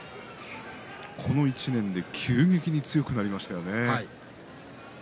この１年で急激に強くなりましたね。